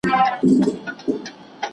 ¬ نه گناه کوم، نه توبه کاږم.